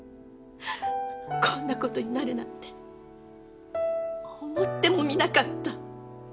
こんなことになるなんて思ってもみなかった。